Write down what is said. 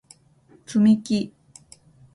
つみき